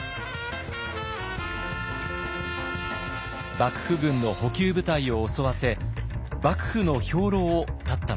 幕府軍の補給部隊を襲わせ幕府の兵糧を絶ったのです。